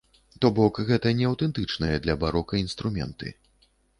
То бок, гэта не аўтэнтычныя для барока інструменты.